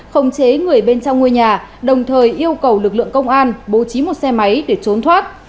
không chế người bên trong ngôi nhà đồng thời yêu cầu lực lượng công an bố trí một xe máy để trốn thoát